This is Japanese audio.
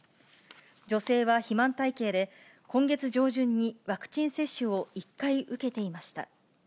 女性は肥満体型で、今月上旬にワクチン接種を１回、受けていました。